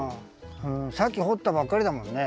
さっきほったばっかりだもんね。